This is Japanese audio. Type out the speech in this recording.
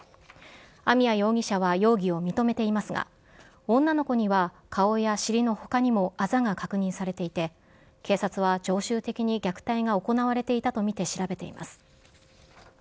網谷容疑者は容疑を認めていますが、女の子には、顔や尻のほかにもあざが確認されていて、警察は常習的に虐待が行われていたと見て調べています。